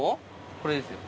これですよ。